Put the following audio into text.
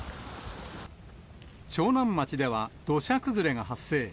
長南町では土砂崩れが発生。